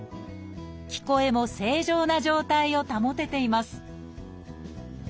聞こえも正常な状態を保てています